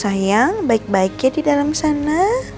sayang baik baiknya di dalam sana